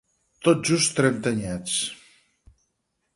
Tot just trenta anyets.